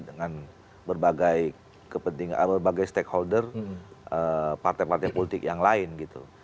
dengan berbagai stakeholder partai partai politik yang lain gitu